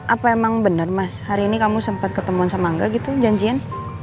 apa emang bener mas hari ini kamu sempat ketemuan sama enggak gitu janjian